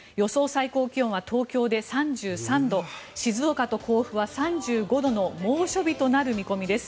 最高気温は東京で３３度静岡と甲府は３５度の猛暑日となる見込みです。